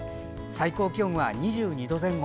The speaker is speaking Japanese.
最高気温は２２度前後。